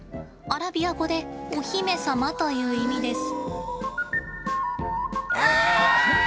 アラビア語でお姫様という意味です。